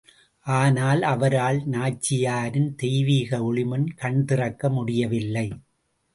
ஆனால் அவரால் நாச்சியாரின் தெய்வீக ஒளிமுன், கண்திறக்க முடியவில்லை.